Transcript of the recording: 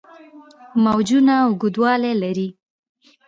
موجونه اوږدوالي لري.